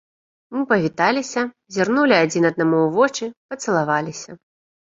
Мы павіталіся, зірнулі адзін аднаму ў вочы, пацалаваліся.